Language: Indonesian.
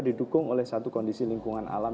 didukung oleh satu kondisi lingkungan alam